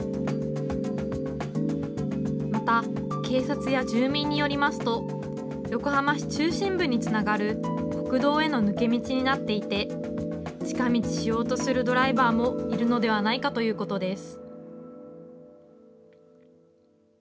また警察や住民によりますと横浜市中心部につながる国道への抜け道になっていて近道しようとするドライバーもいるのではないかということです。